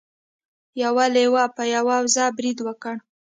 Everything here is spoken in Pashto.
یو لیوه په یوه وزه برید وکړ.